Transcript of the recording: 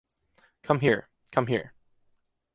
Come here, come here.